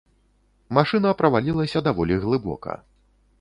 Машына правалілася даволі глыбока.